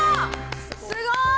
すごい！